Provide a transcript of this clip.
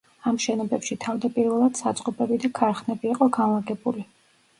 ამ შენობებში თავდაპირველად საწყობები და ქარხნები იყო განლაგებული.